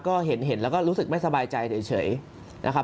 ก็เห็นแล้วก็รู้สึกไม่สบายใจเฉยนะครับ